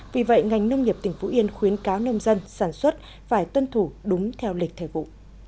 vì vậy ngành nông nghiệp tỉnh phú yên khuyến cáo nông dân sản xuất phải tuân thủ đúng theo lịch thời vụ